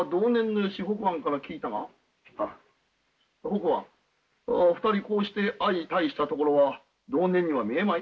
北庵２人こうして相対したところは同年には見えまい。